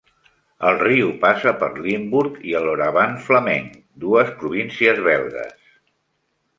El riu passa per Limburg i el Brabant Flamenc, dues províncies belgues.